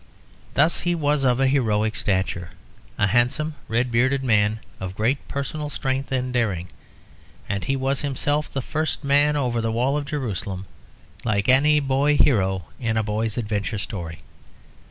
Thus he was of heroic stature, a handsome red bearded man of great personal strength and daring; and he was himself the first man over the wall of Jerusalem, like any boy hero in a boy's adventure story.